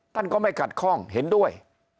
ต้านก็ไม่กัดคล่องเห็นด้วย